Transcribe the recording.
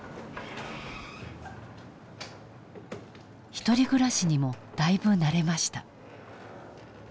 １人暮らしにもだいぶ慣れました。